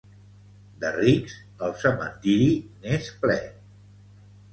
De rics, el cementiri n'és ple.